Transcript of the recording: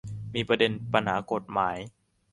มีประเด็นปัญหากฎหมาย